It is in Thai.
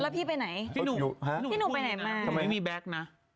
พี่หนูแบ๊กนะ